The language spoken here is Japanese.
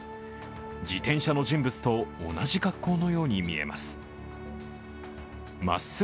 自転車の人物と同じ格好のように見えます。